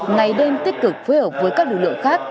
ngày đêm tích cực phối hợp với các lực lượng khác